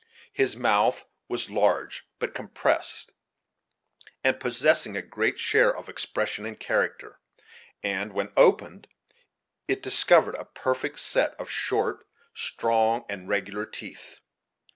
His mouth was large, but compressed, and possessing a great share of expression and character, and, when opened, it discovered a perfect set of short, strong, and regular teeth.